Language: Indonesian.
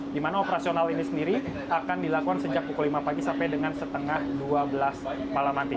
di mana operasional ini sendiri akan dilakukan sejak pukul lima pagi sampai dengan setengah dua belas malam nanti